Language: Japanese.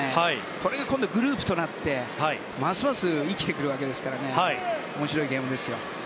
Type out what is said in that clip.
これが今度、グループとなってますます生きてくるわけですから面白いゲームですよ。